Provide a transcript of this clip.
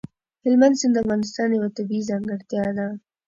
هلمند سیند د افغانستان یوه طبیعي ځانګړتیا ده.